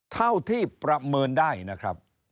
เท่าที่ประเมินได้นะครับ